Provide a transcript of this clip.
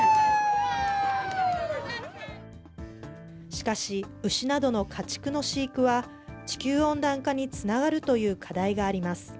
しかし、牛などの家畜の飼育は、地球温暖化につながるという課題があります。